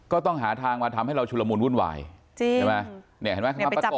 ก็ต้องหาทางมาทำให้เราชุลมูลวุ่นวายจริงใช่ไหมเนี่ยเห็นไหมเขามาประกบ